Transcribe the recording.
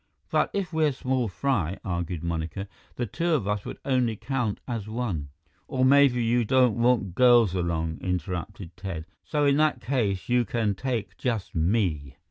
"But if we're small fry," argued Monica, "the two of us would only count as one " "Or maybe you don't want girls along," interrupted Ted, "so in that case you can take just me."